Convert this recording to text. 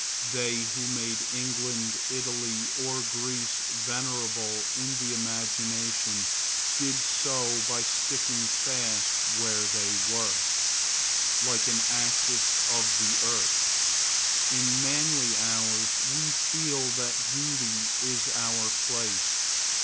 They who made England, Italy, or Greece venerable in the imagination did so by sticking fast where they were, like an axis of the earth. In manly hours we feel that duty is our place.